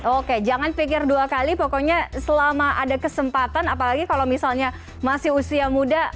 oke jangan pikir dua kali pokoknya selama ada kesempatan apalagi kalau misalnya masih usia muda